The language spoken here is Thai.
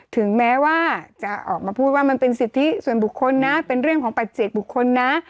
ถึงแม้ว่าจะออกมาพูดว่ามันเป็นสิทธิส่วนบุคคลนะเป็นเรื่องของปัจเจกบุคคลนะ